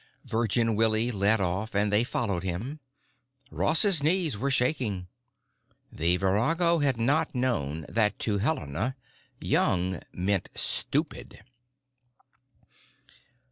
Virgin Willie led off and they followed him. Ross's knees were shaky. The virago had not known that to Helena "young" meant "stupid."